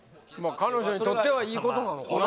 彼女にとってはいいことなのかな